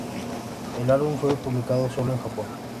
El álbum fue publicado solo en Japón.